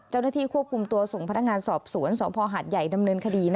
เจ้าหน้าที่ควบคุมตัวส่งพนักงานสอบสวนสพหาดใหญ่ดำเนินคดี